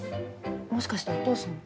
もしかしてお父さん。